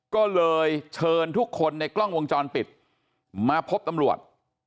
ก็เลยเชิญทุกคนในกล้องวงจรปิดมาพบตำรวจ